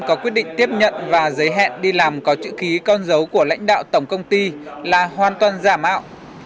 có quyết định tiếp nhận và giới hẹn đi làm có chữ ký con dấu của lãnh đạo tổng công ty là hoàn toàn giả mạo